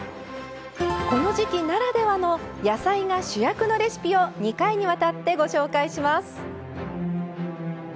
この時季ならではの「野菜が主役のレシピ」を２回にわたってご紹介します。